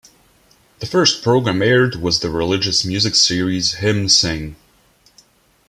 The first program aired was the religious music series "Hymn Sing".